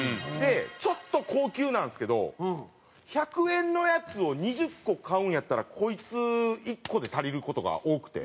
ちょっと高級なんですけど１００円のやつを２０個買うんやったらこいつ１個で足りる事が多くて。